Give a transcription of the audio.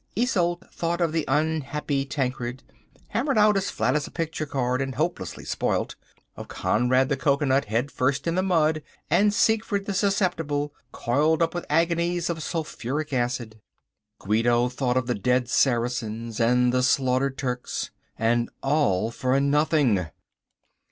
Isolde thought of the unhappy Tancred, hammered out as flat as a picture card and hopelessly spoilt; of Conrad the Cocoanut head first in the mud, and Sickfried the Susceptible coiled up with agonies of sulphuric acid. Guido thought of the dead Saracens and the slaughtered Turks. And all for nothing!